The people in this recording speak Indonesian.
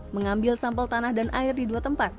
mengambil sampel tanah dan air di dua tempat